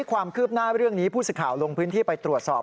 ความคืบหน้าเรื่องนี้ผู้สิทธิ์ข่าวลงพื้นที่ไปตรวจสอบ